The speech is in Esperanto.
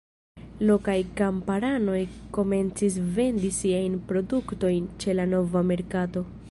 Lokaj kamparanoj komencis vendi siajn produktojn ĉe la nova merkato.